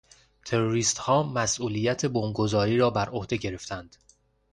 تروریستها مسئولیت بمبگذاری را برعهده گرفتند.